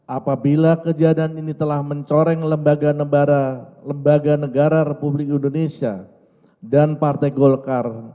apabila kejadian ini telah mencoreng lembaga negara lembaga negara republik indonesia dan partai golkar